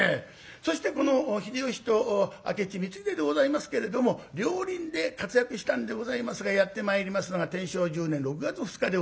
そしてこの秀吉と明智光秀でございますけれども両輪で活躍したんでございますがやって参りますのが天正１０年６月２日でございます。